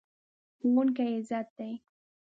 ښوونکی عزت دی.